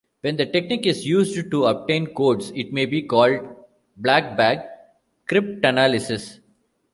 When the technique is used to obtain codes it may be called Black-bag cryptanalysis.